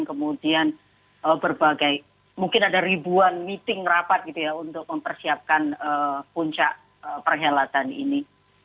kemudian berbagai mungkin ada ribuan meeting rapat gitu ya untuk mempersiapkan puncak perhelatan ini